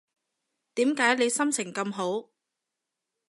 點解你心情咁好